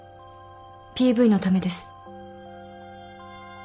ＰＶのためです。